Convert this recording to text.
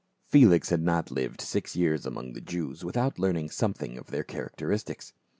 Felix had not lived six years among the Jews with out learning something of their characteristics.